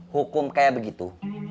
hukum kayak begitu